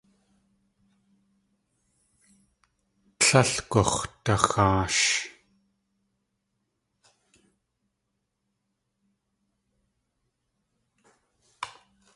Tlél gux̲daxaash.